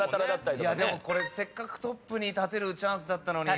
これせっかくトップに立てるチャンスだったのに。